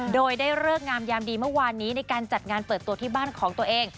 โดยได้เลิกงามยามดีเมื่อวานนี้ในการจัดงานเปิดตัวที่บ้านของตัวเอง